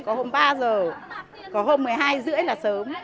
có hôm ba giờ có hôm một mươi hai rưỡi là sớm